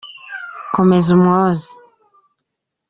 komeza umwoze.